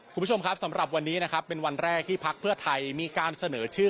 คุณผู้ชมครับสำหรับวันนี้นะครับเป็นวันแรกที่พักเพื่อไทยมีการเสนอชื่อ